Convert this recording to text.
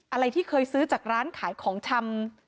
อะไรที่เคยซื้อจากร้านขายของชำ